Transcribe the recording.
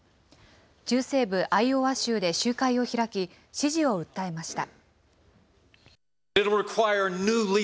中西部アイオワ州で集会を開き、支持を訴えました。